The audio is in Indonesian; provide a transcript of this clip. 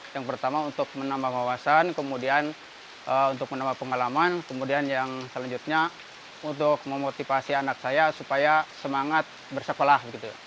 yang pertama untuk menambah wawasan kemudian untuk menambah pengalaman kemudian yang selanjutnya untuk memotivasi anak saya supaya semangat bersekolah